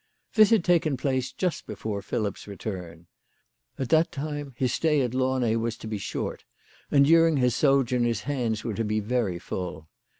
This had taken place just before Philip's return. At that time his stay at Launay was to be short ; and during his sojourn his hands were to be very full.